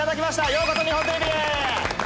ようこそ日本テレビへ！